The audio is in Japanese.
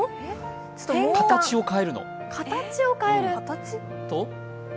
形を変えるの。